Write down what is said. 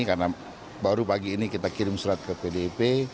karena baru pagi ini kita kirim surat ke pdp